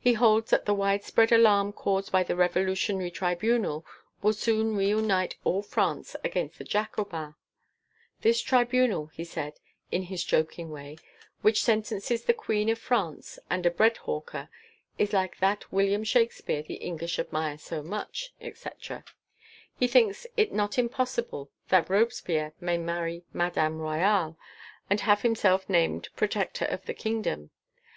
He holds that the widespread alarm caused by the Revolutionary Tribunal will soon reunite all France against the Jacobins. 'This tribunal,' he said, in his joking way, 'which sentences the Queen of France and a bread hawker, is like that William Shakespeare the English admire so much, etc....' He thinks it not impossible that Robespierre may marry Madame Royale and have himself named Protector of the Kingdom.